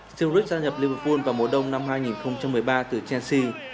sturridge gia nhập liverpool vào mùa đông năm hai nghìn một mươi ba từ chelsea